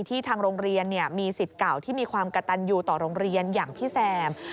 ทางโรงเรียนมีสิทธิ์เก่าที่มีความกระตันยูต่อโรงเรียนอย่างพี่แซม